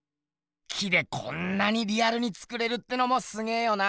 木でこんなにリアルに作れるってのもすげぇよな。